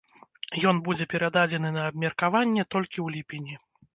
Ён будзе перададзены на абмеркаванне толькі ў ліпені.